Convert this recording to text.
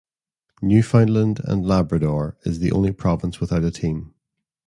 Newfoundland and Labrador is the only province without a team.